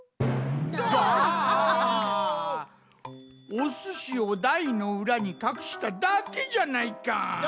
おすしをだいのうらにかくしただけじゃないか。